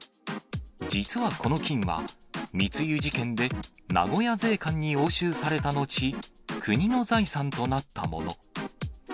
実はこの金は、密輸事件で、名古屋税関に押収された後、国の財産となったもの。